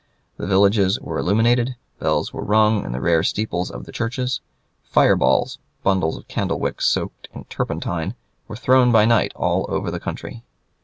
The villages were illuminated; bells were rung in the rare steeples of the churches; "fire balls," bundles of candle wick soaked in turpentine, were thrown by night all over the country.